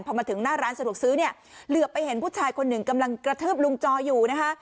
พอมาถึงหน้าร้านสะดวกซื้อเนี่ยเหลือไปเห็นผู้ชายคนหนึ่งกำลังกระทืบลุงจออยู่นะคะ